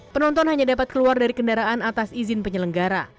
penonton hanya dapat keluar dari kendaraan atas izin penyelenggara